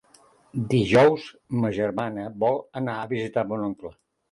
Dijous ma germana vol anar a visitar mon oncle.